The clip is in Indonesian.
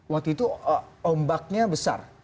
waktu itu ombaknya besar